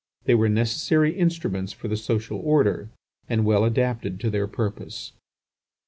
They were necessary instruments for the social order and well adapted to their purpose.